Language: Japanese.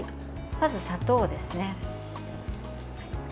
まず、砂糖ですね。